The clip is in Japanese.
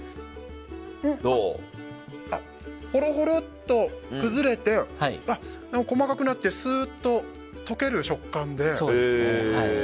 ほろほろっと崩れて細かくなってスーッと溶ける食感で。